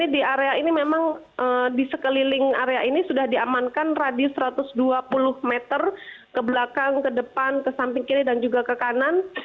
di area ini memang di sekeliling area ini sudah diamankan radius satu ratus dua puluh meter ke belakang ke depan ke samping kiri dan juga ke kanan